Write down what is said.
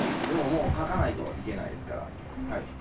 もう書かないといけないですから。